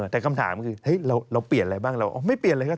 แต่คำถามคือเราเปลี่ยนอะไรบ้างเราไม่เปลี่ยนเลยครับ